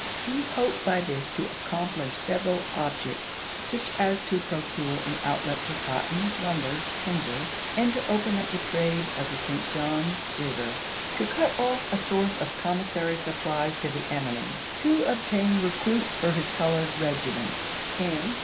He hoped by this to ac complish several objects, such as to procure an outlet for cotton, lumber, timber, and to open up the trade of the St. John's Eiver; to cut off a source of commissary supplies to the enemy; to obtain recruits for his colored regiments and 282 ABRAHAM LINCOLN Chap. XI.